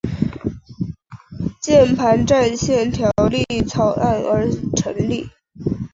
键盘战线条例草案而成立。